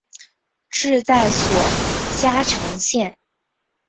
治所在嘉诚县。